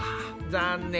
残念！